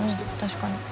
確かに。